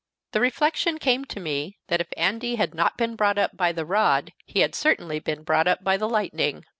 The reflection came to me that if Andy had not been brought up by the rod, he had certainly been brought up by the lightning.